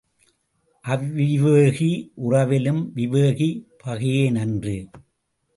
அவிவேகி உறவிலும் விவேகி பகையே நன்று.